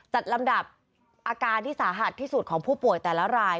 ลำดับอาการที่สาหัสที่สุดของผู้ป่วยแต่ละราย